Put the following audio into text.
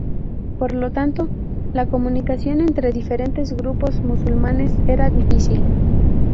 Por lo tanto, la comunicación entre diferentes grupos musulmanes era difícil.